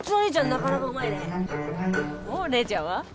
なかなかうまいね。姉ちゃんは？